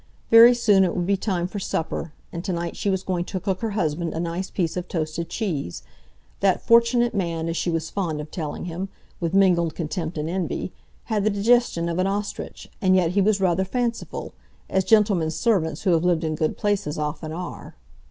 Very soon it would be time for supper, and to night she was going to cook her husband a nice piece of toasted cheese. That fortunate man, as she was fond of telling him, with mingled contempt and envy, had the digestion of an ostrich, and yet he was rather fanciful, as gentlemen's servants who have lived in good places often are.